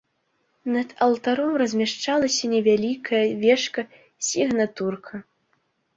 Над алтаром размяшчалася невялікая вежка-сігнатурка.